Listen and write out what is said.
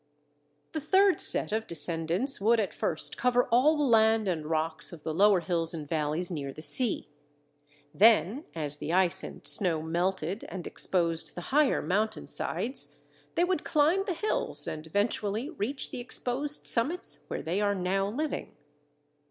The third set of descendants would at first cover all the land and rocks of the lower hills and valleys near the sea; then as the ice and snow melted and exposed the higher mountain sides, they would climb the hills and eventually reach the exposed summits where they are now living.